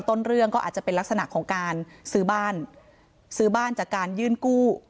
ต้นเรื่องก็อาจจะเป็นลักษณะของการซื้อบ้านซื้อบ้านจากการยื่นกู้